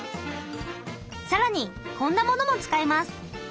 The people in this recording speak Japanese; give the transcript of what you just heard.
更にこんなものも使います。